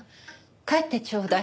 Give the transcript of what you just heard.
帰ってちょうだい。